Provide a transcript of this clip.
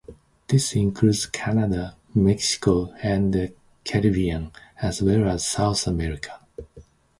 This includes Canada, Mexico and the Caribbean, as well as South America.